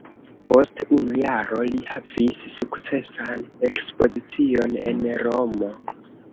Post unu jaro li havis sukcesan ekspozicion en Romo.